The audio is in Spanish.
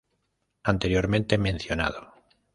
Anteriormente mencionado